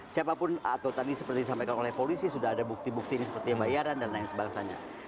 siapapun atau tadi seperti disampaikan oleh polisi sudah ada bukti bukti ini seperti bayaran dan lain sebagainya